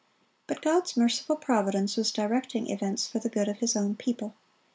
But God's merciful providence was directing events for the good of His own people.